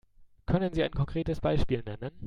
Können Sie ein konkretes Beispiel nennen?